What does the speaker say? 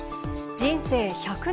人生１００年。